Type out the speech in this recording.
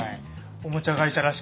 おもちゃ会社らしくて。